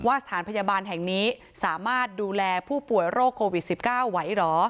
ว่าสถานพยาบาลแห่งนี้สามารถดูแลผู้ป่วยโรคโควิดสิบเก้าไหวเหรอ